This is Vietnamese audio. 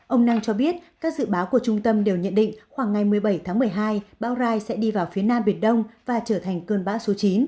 ông năng cho biết các dự báo của trung tâm đều nhận định khoảng ngày một mươi bảy tháng một mươi hai bão rai sẽ đi vào phía nam biển đông và trở thành cơn bão số chín